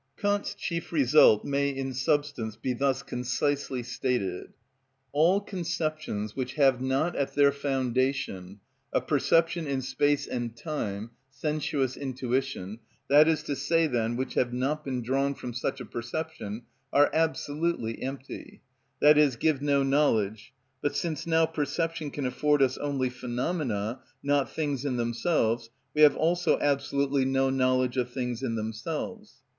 Kant's chief result may in substance be thus concisely stated: "All conceptions which have not at their foundation a perception in space and time (sensuous intuition), that is to say then, which have not been drawn from such a perception, are absolutely empty, i.e., give no knowledge. But since now perception can afford us only phenomena, not things in themselves, we have also absolutely no knowledge of things in themselves."